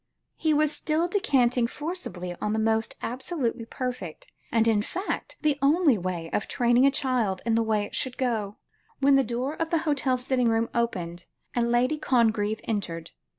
He was still descanting forcibly on the most absolutely perfect, and, in fact, the only way of training a child in the way it should go, when the door of the hotel sitting room opened, and Lady Congreve entered.